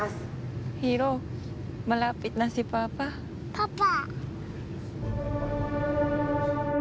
パパ！